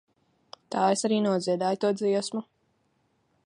Tā es arī nodziedāju to dziesmu.